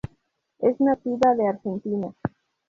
Es nativa de Argentina.